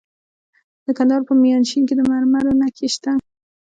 د کندهار په میانشین کې د مرمرو نښې شته.